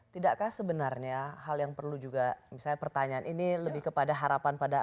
tidakkah sebenarnya hal yang perlu juga misalnya pertanyaan ini lebih kepada harapan pada